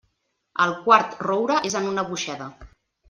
El quart roure és en una boixeda.